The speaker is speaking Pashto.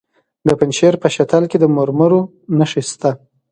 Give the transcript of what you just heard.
د پنجشیر په شتل کې د مرمرو نښې شته.